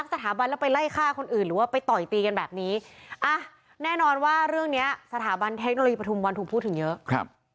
สถาบันเทคโนโลยีประธุมวันถูกพูดถึงเยอะ